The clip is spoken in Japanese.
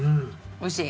おいしい！